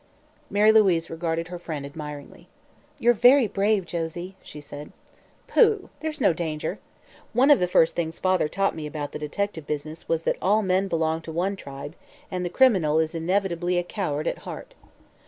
Mary Louise regarded her friend admiringly. "You're very brave, Josie," she said. "Pooh! There's no danger. One of the first things father taught me about the detective business was that all men belong to one tribe, and the criminal is inevitably a coward at heart.